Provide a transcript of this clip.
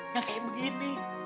yang kayak begini